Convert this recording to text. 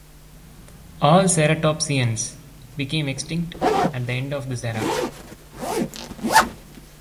All ceratopsians became extinct at the end of this era.